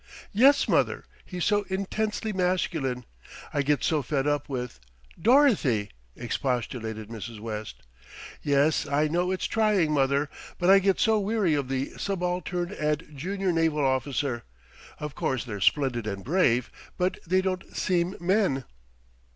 "Yes, mother, he's so intensely masculine. I get so fed up with " "Dorothy!" expostulated Mrs. West. "Yes, I know it's trying, mother, but I get so weary of the subaltern and junior naval officer. Of course they're splendid and brave; but they don't seem men."